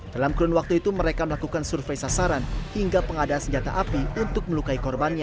dalam kurun waktu itu mereka melakukan survei sasaran hingga pengadaan senjata api untuk melukai korbannya